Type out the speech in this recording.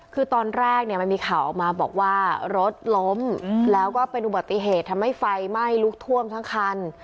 คือตอนแรกเนี่ยมันมีข่าวออกมาบอกว่ารถล้มแล้วก็เป็นอุบัติเหตุทำให้ไฟไหม้ลุกท่วมทั้งคัน